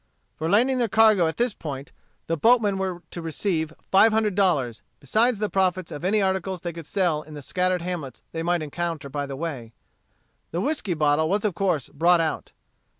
For landing their cargo at this point the boatmen were to receive five hundred dollars, besides the profits of any articles they could sell in the scattered hamlets they might encounter by the way. The whiskey bottle was of course brought out.